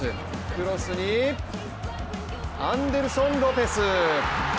クロスに、アンデルソン・ロペス。